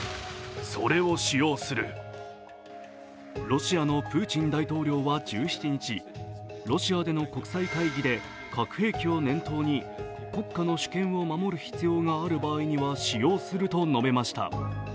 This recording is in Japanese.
ロシアのプーチン大統領は１７日、ロシアでの国際会議で核兵器を念頭に国家の主権を守る必要がある場合には使用すると述べました。